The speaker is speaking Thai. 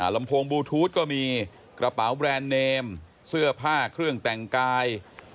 ลำโพงบลูทูธก็มีกระเป๋าแบรนด์เนมเสื้อผ้าเครื่องแต่งกาย